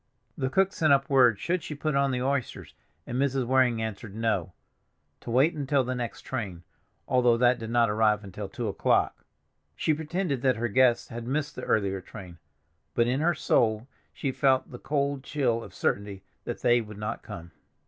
The cook sent up word should she put on the oysters, and Mrs. Waring answered no, to wait until the next train, although that did not arrive until two o'clock. She pretended that her guests had missed the earlier train, but in her soul she felt the cold chill of certainty that they would not come.